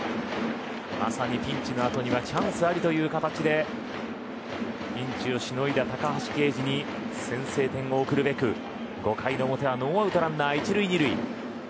まさにピンチの後にはチャンスあり、という形でピンチをしのいだ高橋奎二に先制点をおくるべく５回の表はノーアウトランナー１塁、２塁。